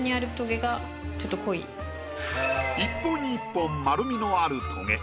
１本１本丸みのあるトゲ。